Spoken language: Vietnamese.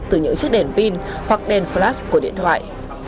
từ những chiếc đèn pin hoặc đèn flash của điện thoại